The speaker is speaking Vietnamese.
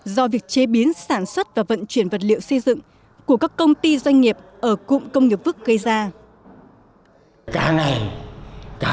do việc chế biến sản xuất và vận chuyển vật liệu xây dựng của các công ty doanh nghiệp ở cụm công nghiệp vức gây ra